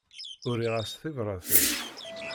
Uriɣ-as tibratin.